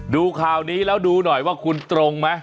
ดูข่าวนี้แล้วดูหน่อยว่าคุณตรงไหม